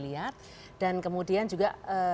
lihat dan kemudian juga